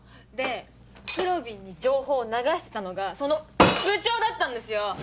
でぷろびんに情報流してたのがその部長だったんですよ！